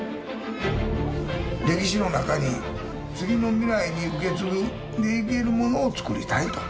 歴史の中に次の未来に受け継いでいけるものをつくりたいと。